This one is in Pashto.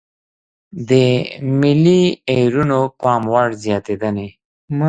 د ملي ايرونو پاموړ زياتېدنې.